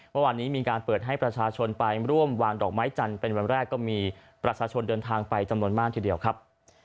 เมื่อวานนี้มีการเปิดให้ประชาชนไปร่วมวางดอกไม้จันทร์เป็นวันแรกก็มีประชาชนเดินทางไปจำนวนมากทีเดียวครับ